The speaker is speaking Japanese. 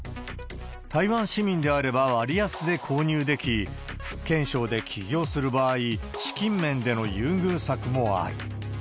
台湾市民であれば割安で購入でき、福建省で起業する場合、資金面での優遇策もある。